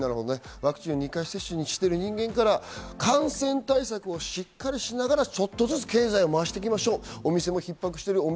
ワクチン２回接種している人間から感染対策をしっかりしながら、ちょっとずつ経済をまわしていきましょう。